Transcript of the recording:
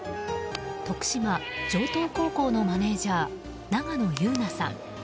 徳島・城東高校のマネジャー永野悠菜さん。